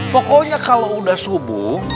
pokoknya kalau udah subuh